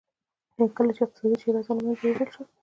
کله چې اقتصادي شیرازه له منځه یووړل شوه.